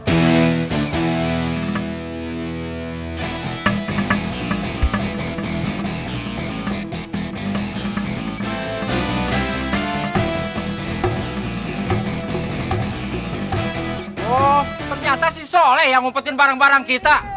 ternyata si soleh yang ngumpetin barang barang kita